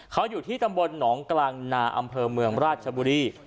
เขาอยู่ที่ตำบลหนองกลางนาอำเภอเมืองราชบุรี